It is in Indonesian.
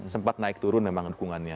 sempat naik turun memang dukungannya